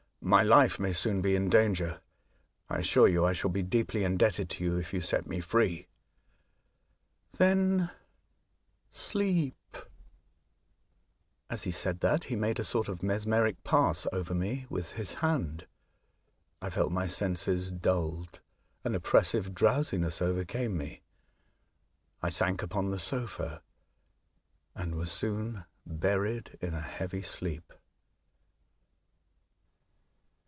My life may soon be in danger. I assure you I shall be deeply indebted to you if you set me free." *' Then, sleep !" As he said that, he made a sort of mesmeric pass over me with his hand. I felt my senses dulled, an oppressive drowsi ness overcame me, I sank upon the sofa, and was soon buried in a heavy sleep.